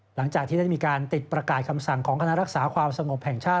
หลังจากที่ได้มีการติดประกาศคำสั่งของคณะรักษาความสงบแห่งชาติ